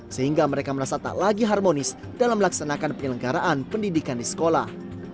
sehingga mereka merasa tak lagi harmonis dalam melaksanakan penyelenggaraan pendidikan di sekolah